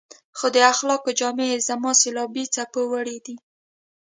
خو د اخلاقو جامې يې د زمانې سېلابي څپو وړي دي.